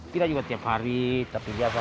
tidak juga tiap hari tapi biasa